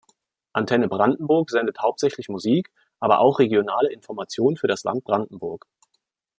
Antenne Brandenburg sendet hauptsächlich Musik, aber auch regionale Information für das Land Brandenburg.